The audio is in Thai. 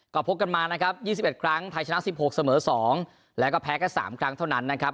ก็พบกันมานะครับ๒๑ครั้งไทยชนะ๑๖เสมอ๒แล้วก็แพ้แค่๓ครั้งเท่านั้นนะครับ